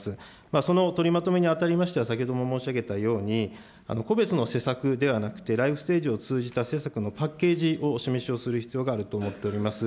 その取りまとめにあたりましては、先ほども申し上げたように、個別の施策ではなくて、ライフステージを通じた施策のパッケージをお示しをする必要があると思っております。